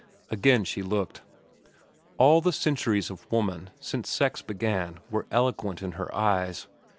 Again she looked. All the centuries of woman since sex began were eloquent in her eyes.